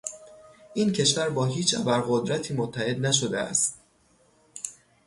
این کشور با هیچ ابرقدرتی متحد نشده است.